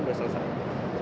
sudah selesai ya